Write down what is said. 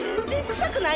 臭くない？